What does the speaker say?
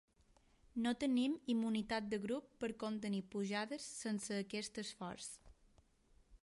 No tenim immunitat de grup per contenir pujades sense aquest esforç.